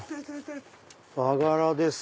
和柄です。